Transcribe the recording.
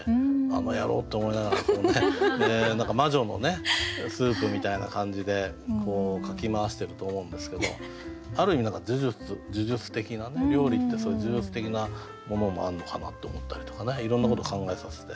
「あの野郎！」って思いながらこうね何か魔女のスープみたいな感じでかき回してると思うんですけどある意味何か呪術的な料理ってそういう呪術的なものもあるのかなって思ったりとかねいろんなこと考えさせて好きな歌ですね